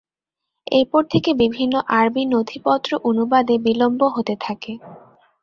এরপর থেকে বিভিন্ন আরবী নথিপত্র অনুবাদে বিলম্ব হতে থাকে।